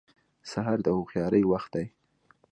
سهار د هوښیارۍ وخت دی.